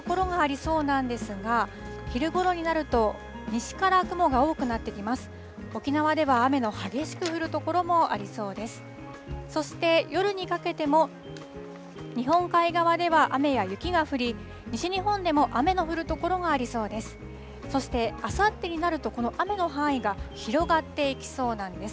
そして夜にかけても、日本海側では雨や雪が降り、西日本でも雨の降る所がありそうです。